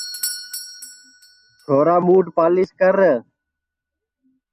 چِیمُوں ٻوٹ پالِیس کر